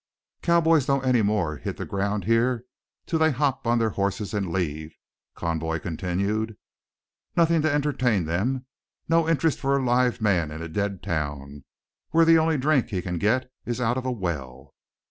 "Cowboys don't any more than hit the ground here till they hop on their horses and leave," Conboy continued. "Nothing to entertain them, no interest for a live man in a dead town, where the only drink he can get is out of the well.